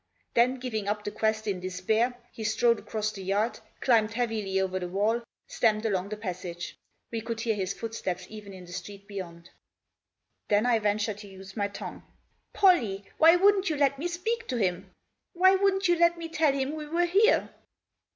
Then, giving up the quest in despair, he strode across the yard, climbed heavily over the wall, stamped along the passage ; we could hear his footsteps even in the street beyond. 7 98 THE JOSS. Then I ventured to use my tongue. " Pollie, why wouldn't you let me speak to him ? Why wouldn't you let me tell him we were here